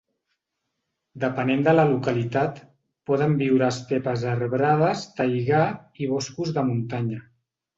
Depenent de la localitat, poden viure a estepes arbrades, taigà i boscos de muntanya.